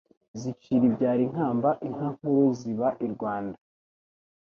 Zicira ibyaro inkamba Inka nkuru ziba i Rwanda